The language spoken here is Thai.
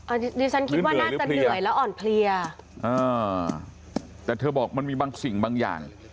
อันนี้ดิฉันคิดว่าน่าจะเหนื่อยแล้วอ่อนเพลียอ่าแต่เธอบอกมันมีบางสิ่งบางอย่าง